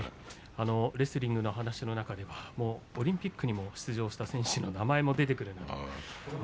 レスリングの話の中ではオリンピックに出場した選手の名前も出てくるような。